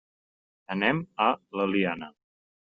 Anem a l'Eliana.